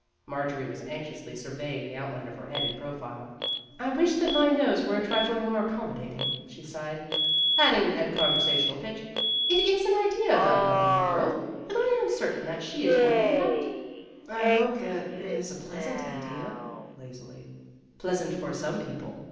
Marjorie was anxiously surveying the outline of her head in profile. " I wish that my nose were a trifle more accommo dating," she sighed ; adding at conversa tional pitch, "It is an idea about helping the world, and I am certain that she is working it out." One of the Girls 275 " I hope that it is a pleasant idea," lazily. " Pleasant for some people.